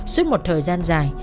suốt một thời gian dài